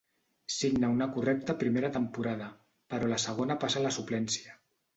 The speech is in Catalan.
Signa una correcta primera temporada, però a la segona passa a la suplència.